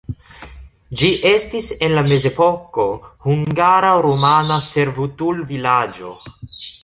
Ĝi estis en la mezepoko hungara-rumana servutulvilaĝo.